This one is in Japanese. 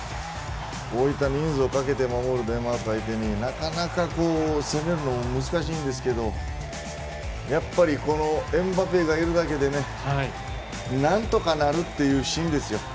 こういった人数をかけて守るデンマークを相手になかなか攻めるのも難しいんですけどやっぱりこのエムバペがいるだけでね何とかなるというシーンですよ。